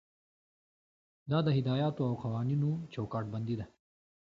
دا د هدایاتو او قوانینو چوکاټ بندي ده.